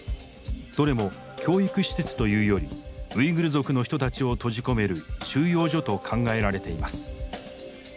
どれも教育施設というよりウイグル族の人たちを閉じ込める収容所と考えられています。